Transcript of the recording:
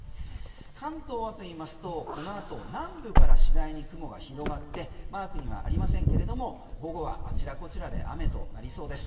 関東はといいますとこの後南部から次第に雲が広がってマークにはありませんけれども午後はあちらこちらで雨となりそうです。